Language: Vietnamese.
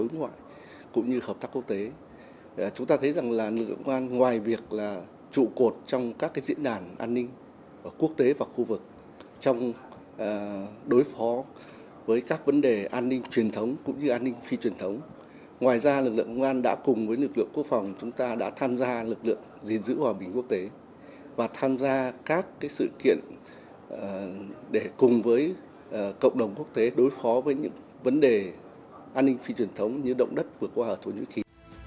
ngoài ra lực lượng công an đã cùng với lực lượng quốc phòng chúng ta đã tham gia lực lượng gìn giữ hòa bình quốc tế và tham gia các sự kiện để cùng với cộng đồng quốc tế đối phó với những vấn đề an ninh phi truyền thống như động đất vừa qua ở thổ nhĩ kỳ